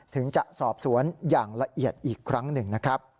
ถึงจะสอบสวนอย่างละเอียดอีกครั้งหนึ่งนะครับ